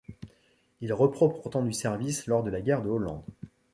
Il reprend pourtant du service lors de la guerre de Hollande.